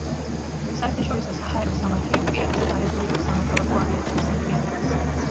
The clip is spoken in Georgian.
საერთაშორისო საჰაერო სამართალი უპირატესად არეგულირებს სამოქალაქო ავიაციის საქმიანობას.